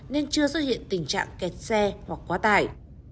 nên chưa xuất hiện tình trạng kẹt xe hoặc quá tải